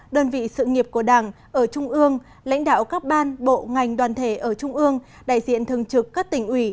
đơn vị sự nghiệp của đảng ở trung ương lãnh đạo các ban bộ ngành đoàn thể ở trung ương đại diện thường trực các tỉnh ủy